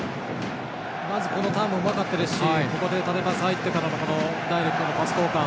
まず、このターンもうまかったですし縦パス入ってからのダイレクトのパス交換。